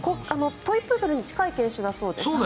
トイプードルに近い犬種だそうです。